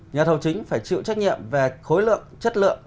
nhà thầu chính phải chịu trách nhiệm về khối lượng chất lượng